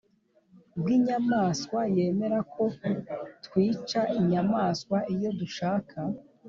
Bw inyamaswa yemera ko twica inyamaswa iyo dushaka